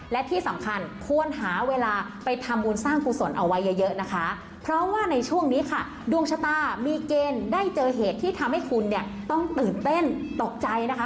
และที่สำคัญควรหาเวลาไปทำบุญสร้างกุศลเอาไว้เยอะนะคะเพราะว่าในช่วงนี้ค่ะดวงชะตามีเกณฑ์ได้เจอเหตุที่ทำให้คุณเนี่ยต้องตื่นเต้นตกใจนะคะ